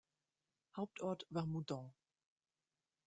Hauptort war Moudon.